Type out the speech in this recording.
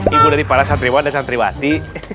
ibu dari para santriwan dan santriwati